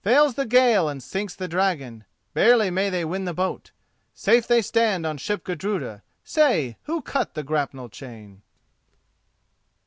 Fails the gale and sinks the dragon, Barely may they win the boat: Safe they stand on ship Gudruda— Say, who cut the grapnel chain?"